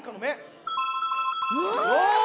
お。